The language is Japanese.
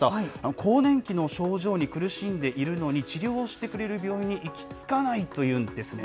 更年期の症状に苦しんでいるのに、治療してくれる病院に行き着かないというんですね。